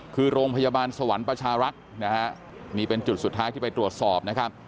คือโรงพยาบาลสวรรค์ประชารักษ์มีเป็นจุดสุดท้ายที่ไปตรวจสอบ